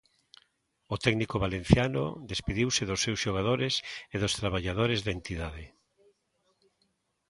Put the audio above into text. O técnico valenciano despediuse dos seus xogadores e dos traballadores da entidade.